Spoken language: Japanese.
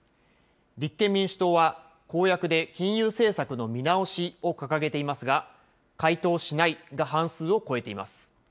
立憲民主党は、公約で金融政策の見直しを掲げていますが、回答しないが半数を超えています。